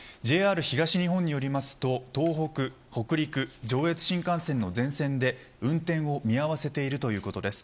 ＪＲ東日本によりますと東北、北陸、上越新幹線の全線で運転を見合わせているということです。